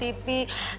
surti teh lagi nonton tv